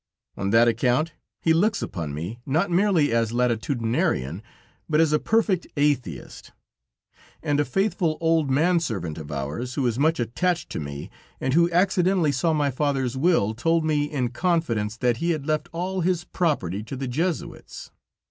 On that account he looks upon me, not merely as Latitudinarian, but as a perfect Atheist, and a faithful old manservant of ours, who is much attached to me, and who accidentally saw my father's will, told me in confidence that he had left all his property to the Jesuits.